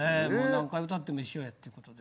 何回歌っても一緒やっていう事で。